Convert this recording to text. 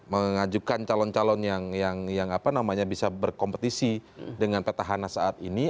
mengajukan calon calon yang bisa berkompetisi dengan petahana saat ini